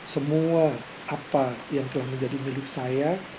semua apa yang telah menjadi milik saya